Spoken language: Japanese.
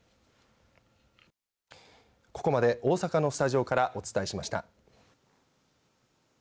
ここまで大阪のスタジオからお伝えしました。